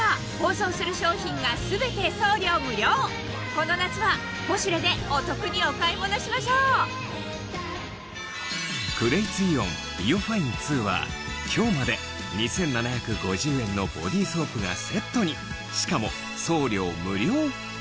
さらにこの夏は『ポシュレ』でお得にお買い物しましょうクレイツイオンＩＯファイン２は今日まで２７５０円のボディソープがセットに！